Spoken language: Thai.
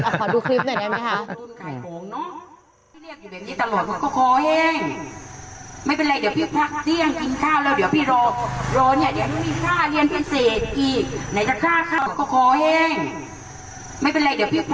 ขอดูคลิปหน่อยได้ไหมคะ